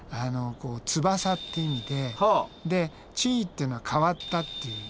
翼って意味ででチーっていうのは変わったっていう意味で。